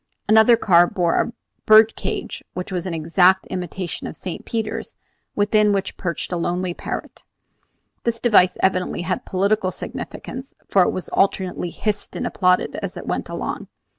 Another car bore a bird cage which was an exact imitation of St. Peter's, within which perched a lonely old parrot. This device evidently had a political signification, for it was alternately hissed and applauded as it went along.